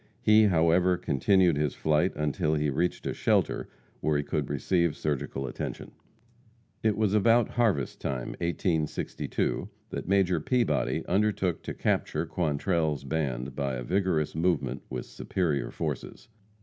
He, however, continued his flight until he reached a shelter where he could receive surgical attention. It was about harvest time, 1862, that Major Peabody undertook to capture Quantrell's band by a vigorous movement with superior forces.